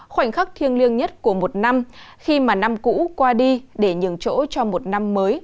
khoảnh khắc thiêng liêng nhất của một năm khi mà năm cũ qua đi để nhường chỗ cho một năm mới